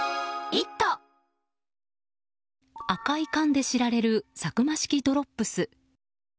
赤い缶で知られるサクマ式ドロップス。